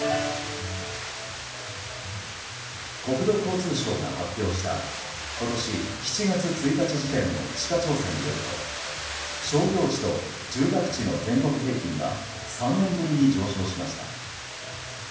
国土交通省が発表した今年７月１日時点の地価調査によると商業地と住宅地の全国平均が３年ぶりに上昇しました。